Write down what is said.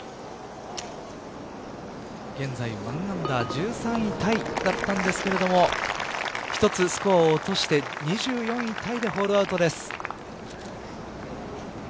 現在１アンダー１３位タイだったんですけれども１つスコアを落として２４位タイでホールアウトです。